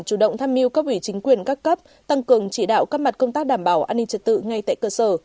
chủ động tham mưu cấp ủy chính quyền các cấp tăng cường chỉ đạo các mặt công tác đảm bảo an ninh trật tự ngay tại cơ sở